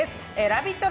ラヴィット！